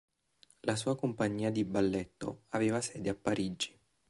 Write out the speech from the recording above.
La sua compagnia di balletto aveva sede a Parigi.